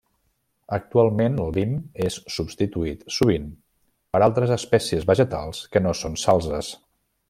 Actualment el vim és substituït, sovint, per altres espècies vegetals que no són salzes.